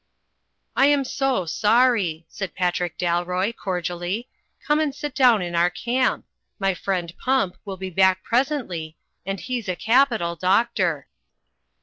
"I am so sorry," said Patrick Dalroy, cordially, ''come and sit down in our camp. My friend Pump will be back presently, and he's a capital doctor."